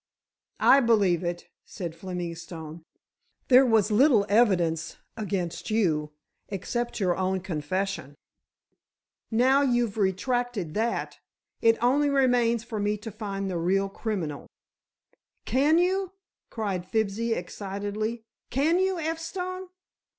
"I believe it," said Fleming Stone. "There was little evidence against you, except your own confession. Now you've retracted that it only remains for me to find the real criminal." "Can you," cried Fibsy excitedly, "can you, F. Stone?"